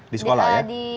di sekolah ya